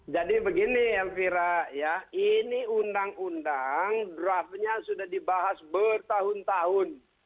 jadi begini elvira ini undang undang draftnya sudah dibahas bertahun tahun